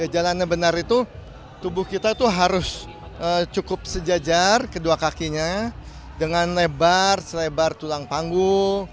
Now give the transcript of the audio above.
jalan yang benar itu tubuh kita itu harus cukup sejajar kedua kakinya dengan lebar selebar tulang panggung